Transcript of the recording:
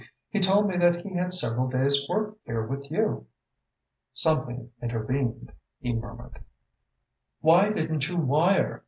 He told me that he had several days' work here with you." "Something intervened," he murmured. "Why didn't you wire?"